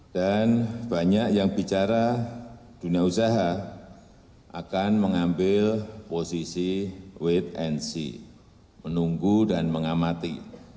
dan banyak yang bicara dunia usaha akan mengambil posisi wedensi menunggu dan mengamati